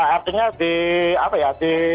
artinya di apa ya